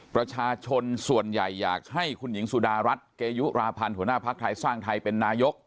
ประชาชนส่วนใหญ่อยากให้คุณหญิงสุดารัฐเกยุราพันธ์หัวหน้าภักดิ์ไทยสร้างไทยเป็นนายก